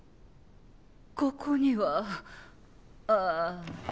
ここにはあ。